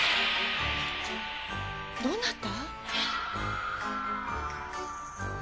どなた？